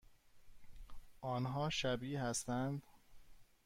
آنها شبیه هستند؟